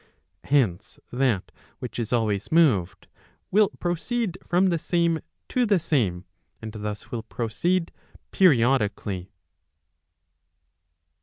Hence, that which is always moved, will proceed from the same to the same, and thus will proceed periodically.